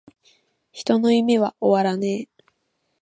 人の夢は!!!終わらねェ!!!!